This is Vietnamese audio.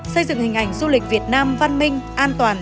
xây dựng hình ảnh du lịch việt nam văn minh an toàn